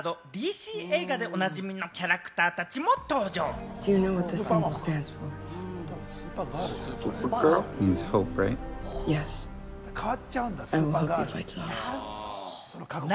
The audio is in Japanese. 今作ではバットマンなど、ＤＣ映画でおなじみのキャラクターたちも登場。